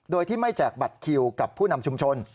โดยที่ไม่แจกบัตรคิวกับผู้นำชุมชน